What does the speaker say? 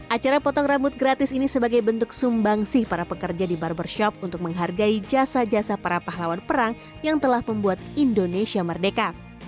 acara potong rambut gratis ini sebagai bentuk sumbang sih para pekerja di barbershop untuk menghargai jasa jasa para pahlawan perang yang telah membuat indonesia merdeka